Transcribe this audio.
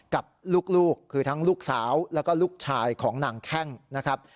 กับลูกคือทั้งลูกสาวแล้วก็ลูกชายของนางแข้งนะครับ